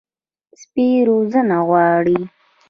سپي روزنه غواړي.